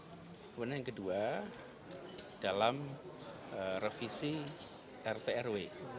kemudian yang kedua dalam revisi rtrw